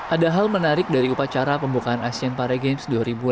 ada hal menarik dari upacara pembukaan asian para games dua ribu delapan belas